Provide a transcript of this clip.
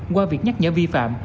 qua việc nhắc nhở vi phạm